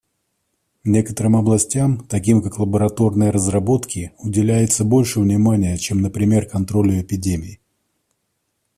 Некоторым областям, таким как лабораторные разработки, уделяется больше внимания, чем, например, контролю эпидемий.